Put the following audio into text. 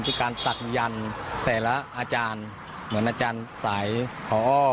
การศักยันต์แต่ละอาจารย์เหมือนอาจารย์สายพอ